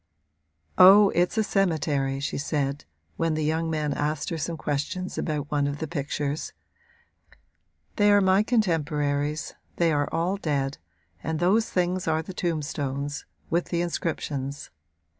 'Oh, it's a cemetery,' she said, when the young man asked her some question about one of the pictures; 'they are my contemporaries, they are all dead and those things are the tombstones, with the inscriptions.